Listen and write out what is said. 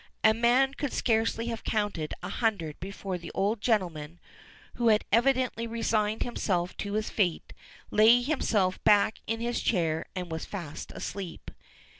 A man could scarcely have counted a hundred before the old gentleman, who had evidently resigned himself to his fate, laid himself back in his chair and was fast asleep.